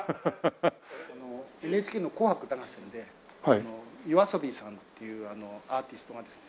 ＮＨＫの『紅白歌合戦』でＹＯＡＳＯＢＩさんっていうアーティストがですね